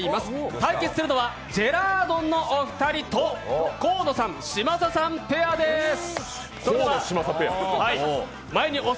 対決するのはジェラードンのお二人と、河野さん、嶋佐さんペアです。